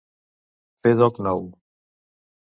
Fer doc nou.